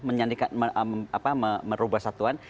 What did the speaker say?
menyandikan apa merubah satuan